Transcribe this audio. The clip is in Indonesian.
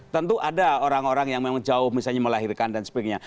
tentu ada orang orang yang memang jauh misalnya melahirkan dan sebagainya